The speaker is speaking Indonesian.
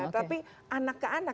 tapi anak ke anak